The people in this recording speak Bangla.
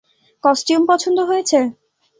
কস্টিউম পছন্দ হয়েছে?